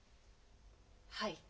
はい。